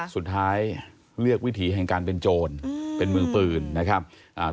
สุดท้ายเลือกวิถีแห่งการเป็นโจรอืมเป็นมือปืนนะครับอ่า